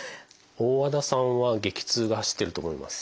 大和田さんは激痛が走ってると思います。